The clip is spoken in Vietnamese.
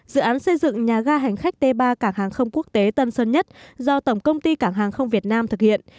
dự án xây dựng nhà ga hành khách t ba cảng hàng không quốc tế tân sơn nhất do tổng công ty cảng hàng không việt nam thực hiện